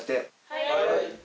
はい。